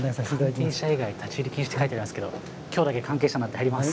関係者以外立ち入り禁止って書いてありますけど今日だけ関係者になって入ります。